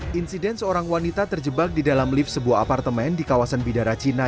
hai insiden seorang wanita terjebak di dalam lift sebuah apartemen di kawasan bidara cina